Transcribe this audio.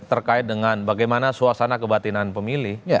terkait dengan bagaimana suasana kebatinan pemilih